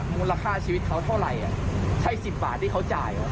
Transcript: มูลค่าชีวิตเขาเท่าไหร่ใช่๑๐บาทที่เขาจ่าย